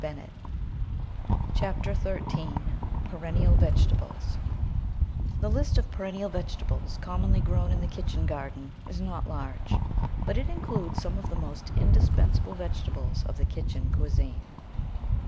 CHAPTER THIRTEEN PERENNIAL VEGETABLES 1 HE list of perennial vegetables commonly grown in the kitchen garden is not large, but it includes some of the most indispensable vegetables of the kitchen cuisine.